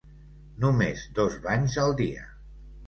Només dos banys al dia.